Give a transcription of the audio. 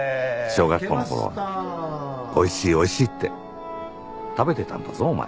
小学校の頃「おいしいおいしい」って食べてたんだぞお前。